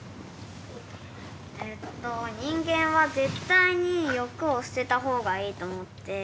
えっと人間は絶対に欲を捨てた方がいいと思って。